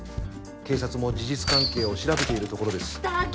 警察も事実関係を調べているところですだから